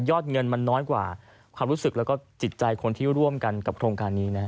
เงินมันน้อยกว่าความรู้สึกแล้วก็จิตใจคนที่ร่วมกันกับโครงการนี้นะฮะ